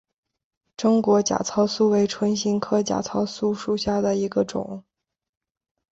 中间假糙苏为唇形科假糙苏属下的一个种。